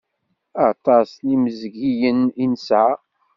Aṭas n inmezgiyen i nesɛa.